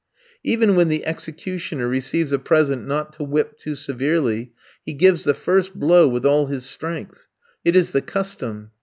Even when the executioner receives a present not to whip too severely, he gives the first blow with all his strength. It is the custom!